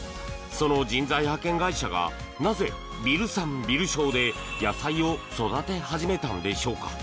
その人材派遣会社がなぜビル産ビル消で野菜を育て始めたのでしょうか？